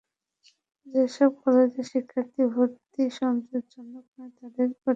যেসব কলেজে শিক্ষার্থী ভর্তি সন্তোষজনক নয়, তাদের পাঠদানের অনুমতি বাতিল করা হবে।